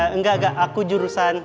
enggak gak aku jurusan